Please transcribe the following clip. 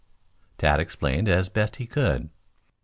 Tad explained as best he could.